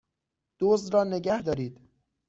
دزد را نگهدارید!